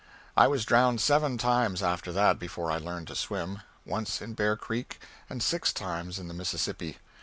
I was drowned seven times after that before I learned to swim once in Bear Creek and six times in the Mississippi.